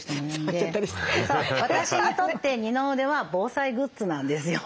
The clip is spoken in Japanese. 私にとって二の腕は防災グッズなんですよ。